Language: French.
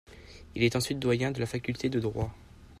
Il est ensuite doyen de la Faculté de droit.